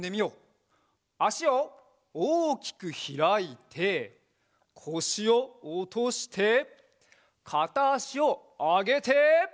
あしをおおきくひらいてこしをおとしてかたあしをあげて！